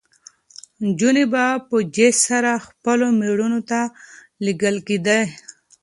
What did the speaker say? نجونې به په جېز سره خپلو مېړونو ته لېږل کېدې.